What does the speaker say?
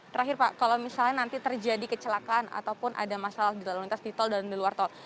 terakhir pak kalau misalnya nanti terjadi kecelakaan ataupun ada masalah di lalu lintas di tol dan di luar tol